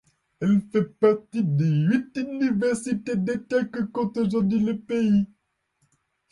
Elle fait partie des huit universités d’État que compte aujourd’hui le pays.